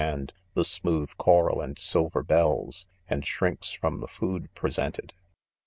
hand; the smooth coral and silver bells, and shrinks from the food presented.